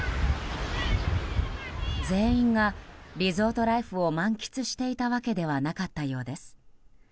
全員がリゾートライフを満喫していたわけではなかったようです。